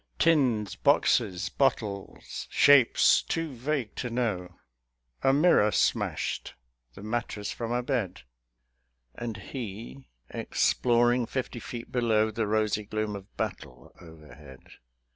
Tins, boxes, bottles, shapes too vague to know, A mirror smashed, the mattress from a bed; And he, exploring fifty feet below The rosy gloom of battle overhead.